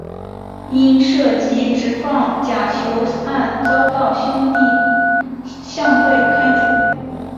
因涉及职棒假球案遭到兄弟象队开除。